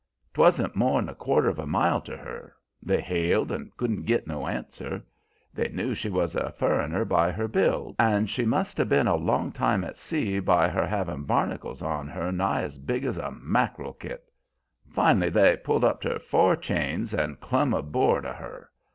'Twan't more 'n a quarter of a mile to her. They hailed and couldn't git no answer. They knew she was a furriner by her build, and she must 'a' been a long time at sea by her havin' barnacles on her nigh as big's a mack'rel kit. Finally, they pulled up to her fore chains and clum aboard of her.